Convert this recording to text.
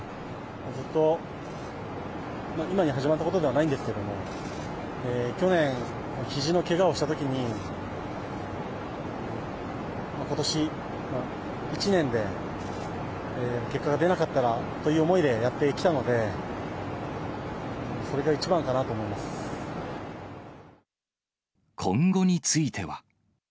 ずっと、今に始まったことではないんですけども、去年、ひじのけがをしたときに、ことし１年で結果が出なかったらという思いでやってきたので、今後については。